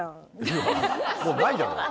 もうないだろ。